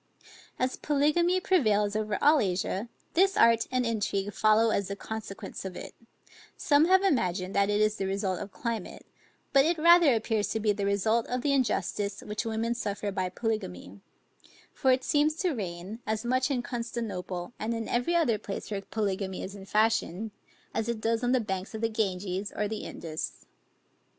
As polygamy prevails over all Asia, this art and intrigue follow as the consequence of it; some have imagined, that it is the result of climate, but it rather appears to be the result of the injustice which women suffer by polygamy; for it seems to reign, as much in Constantinople, and in every other place where polygamy is in fashion, as it does on the banks of the Ganges, or the Indus.